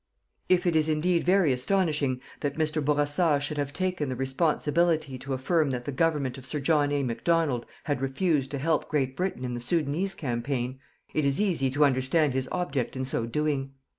If it is indeed very astonishing that Mr. Bourassa should have taken the responsibility to affirm that the Government of Sir John A. Macdonald had refused to help Great Britain in the Soudanese campaign, it is easy to understand his object in so doing.